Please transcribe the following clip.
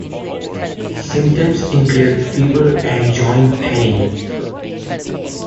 Symptoms include fever and joint pain.